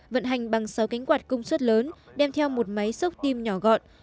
vận hành bằng sáu cánh quạt công suất lớn đem theo một máy xúc tim nhỏ gọn